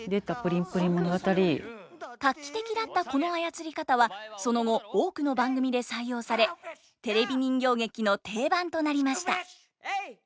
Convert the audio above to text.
画期的だったこのあやつり方はその後多くの番組で採用されテレビ人形劇の定番となりました。